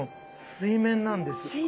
水面なんですね。